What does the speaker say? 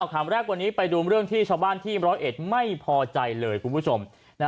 เอาคำแรกวันนี้ไปดูเรื่องชาวบ้านที่๑๐๑ไม่พอใจเลยคุณผู้ชม